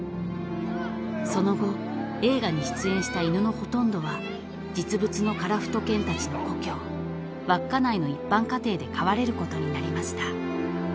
［その後映画に出演した犬のほとんどは実物の樺太犬たちの故郷稚内の一般家庭で飼われることになりました］